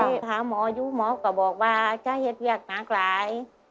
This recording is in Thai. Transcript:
ไปถามหมออยู่หมอก็บอกว่าเจ้าเฮ็ดเวียกมากร้าย